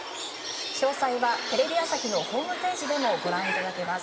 詳細はテレビ朝日のホームページでもご覧頂けます。